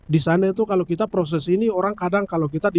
di sana itu kalau kita proses ini orang kadang kalau kita di